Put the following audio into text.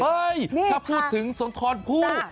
ถ้าพูดถึงสุนทรพูด